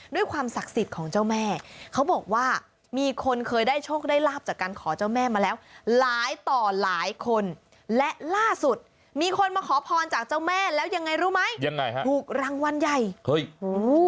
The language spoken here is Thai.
ด้วยความศักดิ์สิทธิ์ของเจ้าแม่เขาบอกว่ามีคนเคยได้โชคได้ลาบจากการขอเจ้าแม่มาแล้วหลายต่อหลายคนและล่าสุดมีคนมาขอพรจากเจ้าแม่แล้วยังไงรู้ไหมยังไงฮะถูกรางวัลใหญ่เฮ้ย